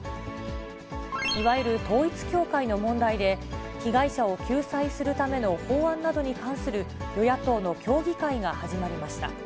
いわゆる統一教会の問題で、被害者を救済するための法案などに関する与野党の協議会が始まりました。